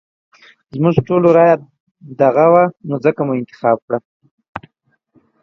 زموږ ټولو رايه ددغه وه نو ځکه مو انتخاب کړی.